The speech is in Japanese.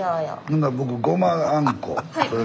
ほな僕ごまあんこ。